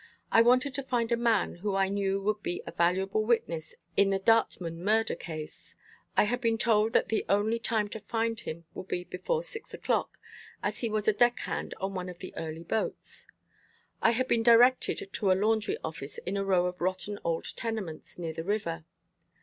I wanted to find a man who I knew would be a valuable witness in the Dartmon murder case. I had been told that the only time to find him would be before six o'clock, as he was a deckhand on one of the early boats. I had been directed to a laundry office in a row of rotten old tenements near the river.